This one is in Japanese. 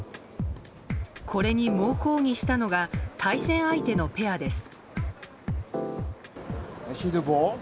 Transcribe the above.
これに猛抗議したのが対戦相手のペアです。